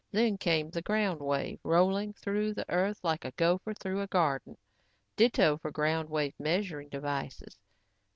Then came the ground wave, rolling through the earth like a gopher through a garden. Ditto for ground wave measuring devices.